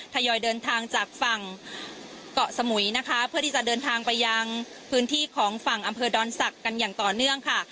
ทยอยเดินทางจากฝั่งเกาะสมุยนะคะเพื่อที่จะเดินทางไปยังพื้นที่ของฝั่งอำเภอดอนศักดิ์กันอย่างต่อเนื่องค่ะ